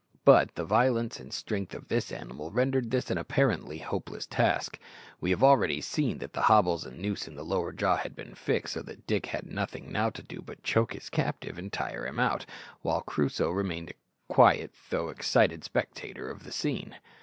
But the violence and strength of this animal rendered this an apparently hopeless task. We have already seen that the hobbles and noose in the lower jaw had been fixed, so that Dick had nothing now to do but to choke his captive, and tire him out, while Crusoe remained a quiet though excited spectator of the scene.